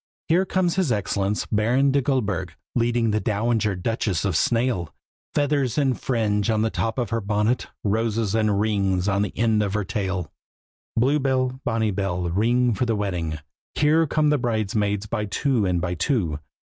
Here comes his Excellence Baron de Goldburg, Leading the Dowager Duchess of Snail; Feathers and fringe on the top of her bonnet, Roses and rings on the end of her tail. Blue bell, bonny bell, ring for the wedding! Here come the bridesmaids by two and by two.